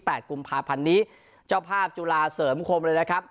กุมภาพันธ์นี้เจ้าภาพจุฬาเสริมคมเลยนะครับ